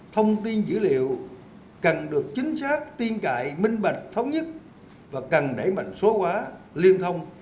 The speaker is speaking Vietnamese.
thông tin dữ liệu cần được chính xác tiên cại minh bạch thống nhất và cần đẩy mạnh số hóa liên thông